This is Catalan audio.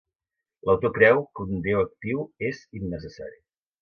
L’autor creu que un déu actiu és innecessari.